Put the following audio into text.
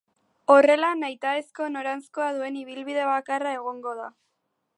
Horrela, nahitaezko noranzkoa duen ibilbide bakarra egongo da.